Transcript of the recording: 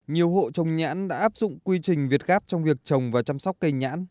nhiều hộ trồng nhãn đã áp dụng quy trình việt gáp trong việc trồng và chăm sóc cây nhãn